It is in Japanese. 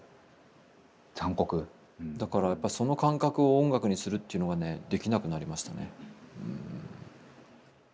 だからその感覚を音楽にするっていうのがねできなくなりましたね。